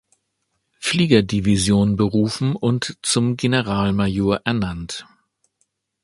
Flieger-Division" berufen und zum Generalmajor ernannt.